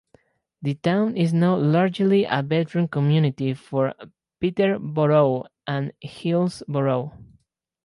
The town is now largely a bedroom community for Peterborough and Hillsborough.